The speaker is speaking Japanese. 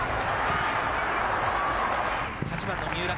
８番の三浦。